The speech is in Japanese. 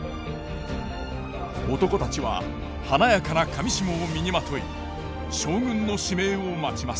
男たちは華やかな裃を身にまとい将軍の指名を待ちます。